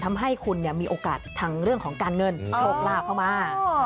ทำให้คุณมีโอกาสทางเรื่องของการเงินโชคลาภเข้ามา